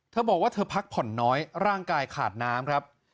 เธอบอกว่าเธอพักผ่อนน้อยร่างกายขาดน้ำครับ